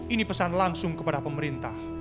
ini pesan langsung kepada pemerintah